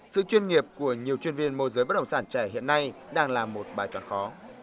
sự chuyên nghiệp của nhiều chuyên viên môi giới bất động sản trẻ hiện nay đang là một bài toán khó